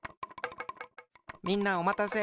みんなおまたせ。